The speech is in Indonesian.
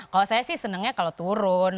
kalau saya sih senangnya kalau turun